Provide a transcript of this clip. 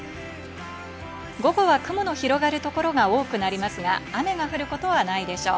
午後は雲の広がる所が多くなりますが雨が降ることはないでしょう。